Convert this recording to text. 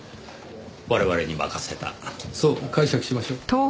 我々に任せたそう解釈しましょう。